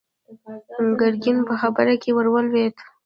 ګرګين په خبره کې ور ولوېد.